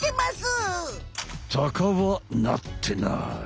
タカはなってない。